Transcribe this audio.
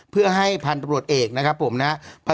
เพื่อให้พันธุ์ตำรวจเอกนะครับผมนะครับ